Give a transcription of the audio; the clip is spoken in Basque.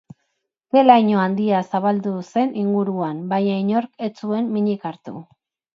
Ke laino handia zabaldu zen inguruan, baina inork ez zuen minik hartu.